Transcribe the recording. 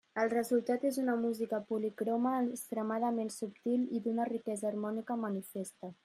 El resultat és una música policroma, extremament subtil i d'una riquesa harmònica manifesta.